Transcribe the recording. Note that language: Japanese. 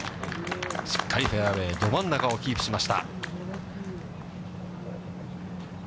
しっかりフェアウエーど真ん中をキープしました。